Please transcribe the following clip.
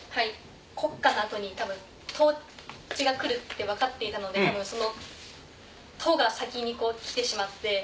「国家」の後に「統治」が来るって分かっていたので多分その「と」が先に来てしまって。